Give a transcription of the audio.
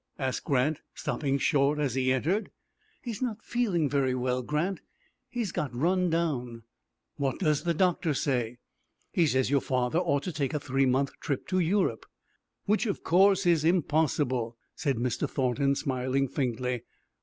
asked Grant, stopping short as he entered. "He is not feeling very well, Grant. He has got run down." "What does the doctor say?" "He says your father ought to take a three months trip to Europe." "Which, of course, is impossible," said Mr. Thornton, smiling faintly.